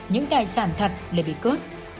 những tài sản thật lại bị cướp